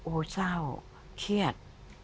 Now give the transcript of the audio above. โอ้โหเศร้าเครียด